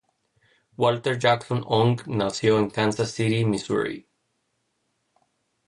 Walter Jackson Ong nació en Kansas City, Missouri.